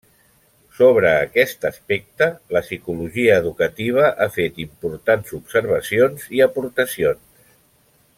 Sobre aquest aspecte, la psicologia educativa ha fet importants observacions i aportacions.